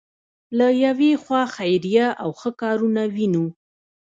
له یوې خوا خیریه او ښه کارونه وینو.